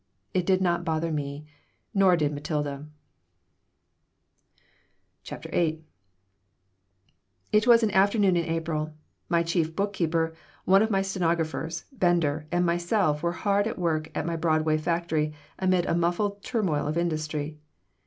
It did not bother me. Nor did Matilda CHAPTER VIII IT was an afternoon in April. My chief bookkeeper, one of my stenographers, Bender, and myself were hard at work at my Broadway factory amid a muffled turmoil of industry.